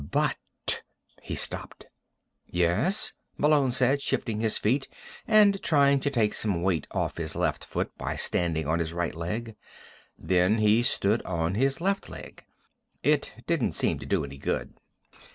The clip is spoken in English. But " He stopped. "Yes?" Malone said, shifting his feet and trying to take some weight off his left foot by standing on his right leg. Then he stood on his left leg. It didn't seem to do any good.